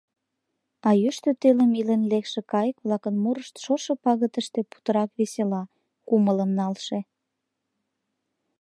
А йӱштӧ телым илен лекше кайык-влакын мурышт шошо пагытыште путырак весела, кумылым налше.